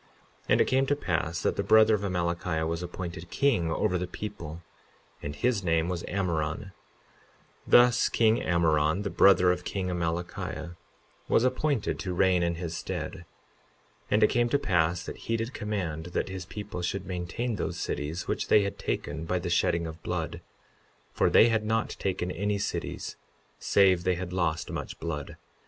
52:3 And it came to pass that the brother of Amalickiah was appointed king over the people; and his name was Ammoron; thus king Ammoron, the brother of king Amalickiah, was appointed to reign in his stead. 52:4 And it came to pass that he did command that his people should maintain those cities, which they had taken by the shedding of blood; for they had not taken any cities save they had lost much blood.